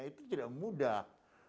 itu tidak mudah